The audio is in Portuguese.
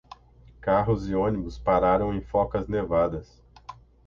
Carros e ônibus pararam em focas nevadas.